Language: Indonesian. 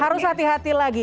harus hati hati lagi